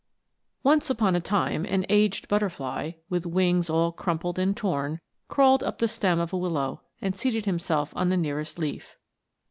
ONCE upon a time an aged butterfly, with wings all crumpled and torn, crawled up the stem of a willow, and seated himself on the nearest leaf.